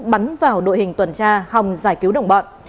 bắn vào đội hình tuần tra hòng giải cứu đồng bọn